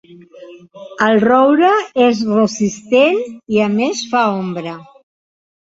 El roure és resistent i, a més, fa ombra.